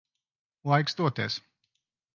Laiks doties.